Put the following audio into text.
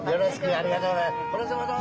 ありがとうございます。